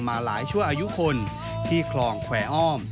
มาหลายชั่วอายุคนที่คลองแควร์อ้อม